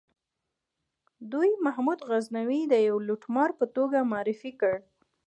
دوی محمود غزنوي د یوه لوټمار په توګه معرفي کړ.